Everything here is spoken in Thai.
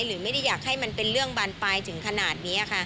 หรือไม่ได้อยากให้มันเป็นเรื่องบานปลายถึงขนาดนี้ค่ะ